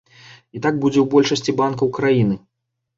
І так будзе ў большасці банкаў краіны.